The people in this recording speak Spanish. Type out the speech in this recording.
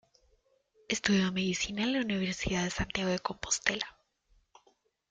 Estudió Medicina en la Universidad de Santiago de Compostela.